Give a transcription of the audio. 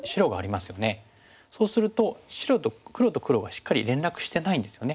そうすると黒と黒がしっかり連絡してないんですよね。